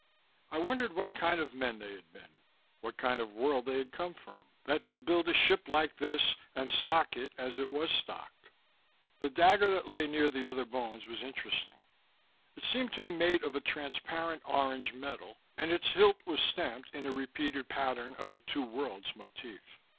I wondered what kind of men they had been, what kind of world they had come from, that could build a ship like this and stock it as it was stocked. The dagger that lay near the other bones was interesting: it seemed to be made of a transparent orange metal, and its hilt was stamped in a repeated pattern of the Two Worlds motif.